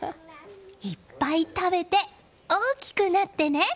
いっぱい食べて大きくなってね！